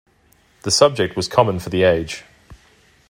The subject was common for the age.